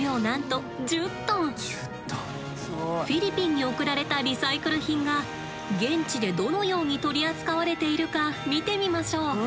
フィリピンに送られたリサイクル品が現地でどのように取り扱われているか見てみましょう。